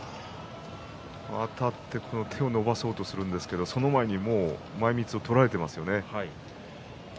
あたって手を伸ばそうとするんですけれども、その前に前みつを取られていますよね。